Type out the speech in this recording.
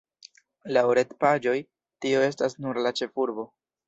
Laŭ retpaĝoj, tio estas nur la ĉefurbo.